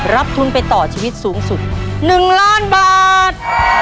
รับทุนไปต่อชีวิตสูงสุด๑ล้านบาท